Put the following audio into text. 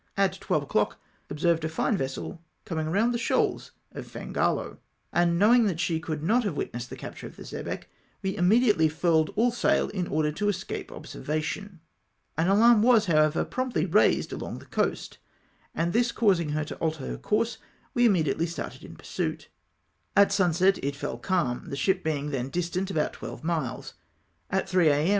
At twelve o'clock observed a fine vessel comins^ round the shoals of Fangalo, and knowing that she could not have witnessed the capture of the xebec we immediately furled aU sail in order to escape observa tion. An alarm was, however, promptly raised along the coast, and this causing her to alter her com^se, we immediately started in pursuit. At sunset it fell calm, the ship being then distant about twelve miles. At 3 A.M.